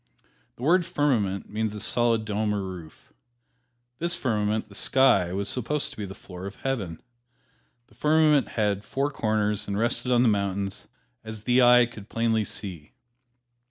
The word "firmament" means a solid dome or roof. This firmament, the sky, was supposed to be the floor of Heaven. The firmament had four corners and rested on the mountains, as the eye could plainly see.